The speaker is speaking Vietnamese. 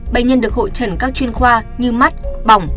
bệnh nhân được hội trần các chuyên khoa như mắt bỏng